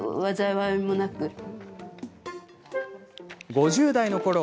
５０代のころ